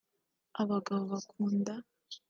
Abagabo bakunda